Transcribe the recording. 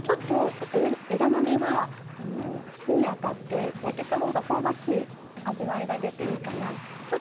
枝豆は火に当たって焼けた方が香ばしい味わいが出ていいかなと思います。